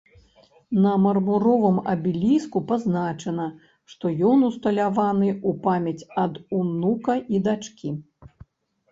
На мармуровым абеліску пазначана, што ён усталяваны ў памяць ад унука і дачкі.